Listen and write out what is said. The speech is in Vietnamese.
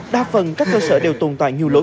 đa phần các cơ sở đều tồn tại nhiều lỗ